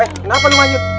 peh kenapa lu maju